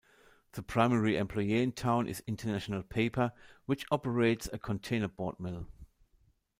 The primary employer in town is International Paper, which operates a containerboard mill.